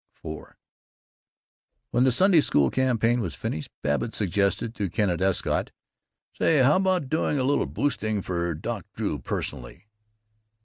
IV When the Sunday School campaign was finished, Babbitt suggested to Kenneth Escott, "Say, how about doing a little boosting for Doc Drew personally?"